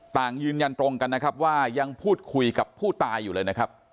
ต่างยืนยันตรงกันนะครับว่ายังพูดคุยกับผู้ตายอยู่เลยนะครับ